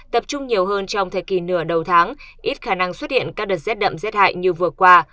tập trung nhiều hơn trong thời kỳ nửa đầu tháng ít khả năng xuất hiện các đợt rét đậm rét hại như vừa qua